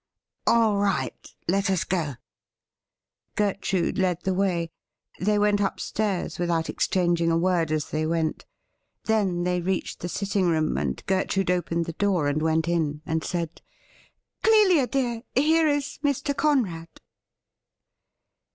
' All right ; let us go.' Gertnide led the way. They went upstairs without exchanging a word as they went. Then they reached the sitting room, and Gertrude opened the door and went in, and said :' Clelia dear, here is Mr. Conrad.'